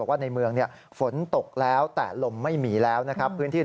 ว่าในเมืองฝนตกแล้วแต่ลมไม่มีแล้วนะครับพื้นที่